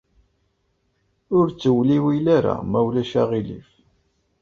Ur ttewliwil ara, ma ulac aɣilif.